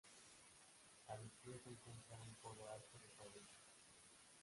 A los pies se encuentra un coro alto de fábrica.